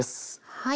はい。